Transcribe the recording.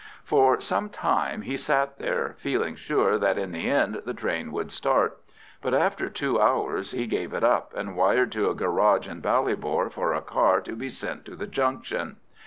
For some time he sat there, feeling sure that in the end the train would start, but after two hours he gave it up, and wired to a garage in Ballybor for a car to be sent to the junction.